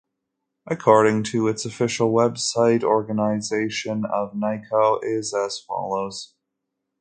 According to its official web site, organization of Naicho is as follows.